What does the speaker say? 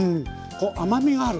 こう甘みがある。